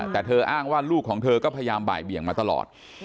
แต่เธออ้างว่าลูกของเธอก็พยายามบ่ายเบี่ยงมาตลอด